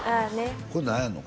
これ何やの？